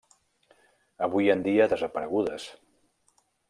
Avui en dia desaparegudes.